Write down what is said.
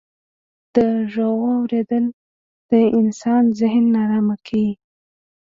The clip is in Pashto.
د ږغو اورېدل د انسان ذهن ناآرامه کيي.